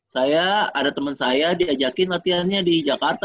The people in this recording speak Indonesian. saya ada teman saya diajakin latihannya di jakarta